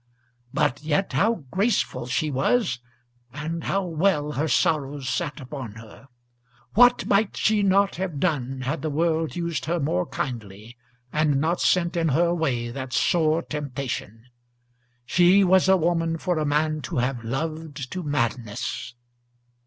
But yet how graceful she was, and how well her sorrows sat upon her! What might she not have done had the world used her more kindly, and not sent in her way that sore temptation! She was a woman for a man to have loved to madness."